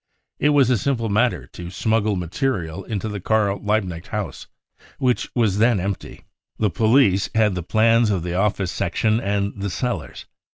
It was a simple matter to smuggle material into the Karl Liebknecht House, which was then empty. The police had the plans of the office section and the cellars.